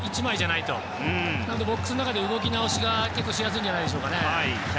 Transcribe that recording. なのでボックスの中で動き直しが結構、しやすいんじゃないでしょうか。